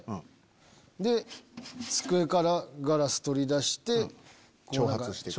で机からガラス取り出して挑発する。